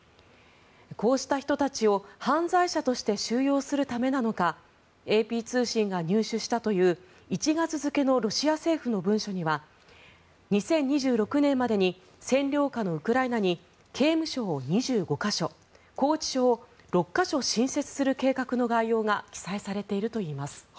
こうした人たちを犯罪者として収容するためなのかＡＰ通信が入手したという１月付のロシア政府の文書には２０２６年前に占領下のウクライナに刑務所を２５か所拘置所を６か所新設する概要が記載されているといいます。